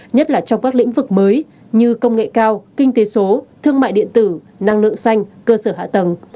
nhất là trong các lĩnh vực mới như công nghệ cao kinh tế số thương mại điện tử năng lượng xanh cơ sở hạ tầng